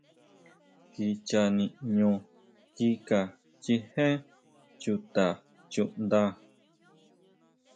Kicha niʼño kika chijé chuta chuʼnda.